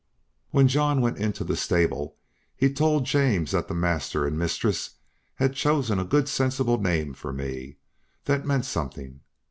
When John went into the stable, he told James that the master and mistress had chosen a good sensible name for me, that meant something.